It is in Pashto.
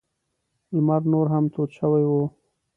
لمر نور هم تود شوی و.